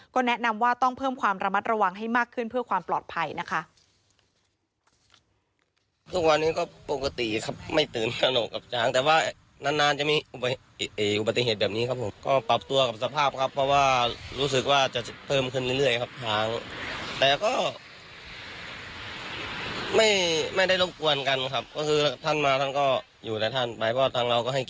ก็แนะนำว่าต้องเพิ่มความระมัดระวังให้มากขึ้นเพื่อความปลอดภัยนะคะ